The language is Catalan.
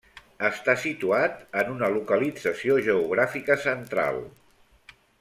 Està situat en una localització geogràfica central.